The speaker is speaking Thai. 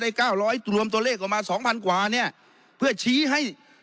เก้าร้อยรวมตัวเลขออกมาสองพันกว่าเนี่ยเพื่อชี้ให้